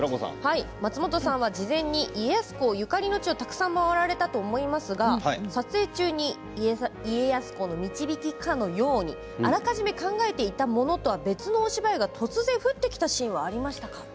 松本さんは事前に家康公ゆかりの地をたくさん回られたと思いますが撮影中に家康公の導きかのようにあらかじめ考えていたものとは別のお芝居が突然降ってきたシーンがありましたか？